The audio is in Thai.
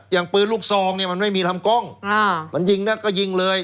อย่างปืนลูกซองเนี่ยมันไม่มีลำกล้องมันยิงนะก็ยิงเลย